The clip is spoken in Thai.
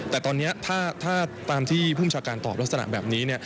แต่ตอนนี้ถ้าตามที่ผู้บัญชาการตอบลักษณะแบบนี้